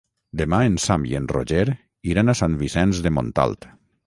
Demà en Sam i en Roger iran a Sant Vicenç de Montalt.